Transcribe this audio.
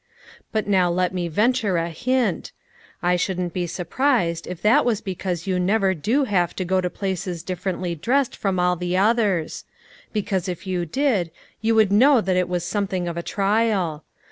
But now let me venture a hint. I shouldn't be surprised if that was because you never do have to go to places differently dressed from all the others. Because if you did, you would know that it was something of a trial.